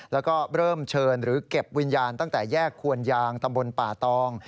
แล้วก็เริ่มเชิญหรือเก็บวิญญาณตั้งแต่แยกควนยางตำบลป่าตอง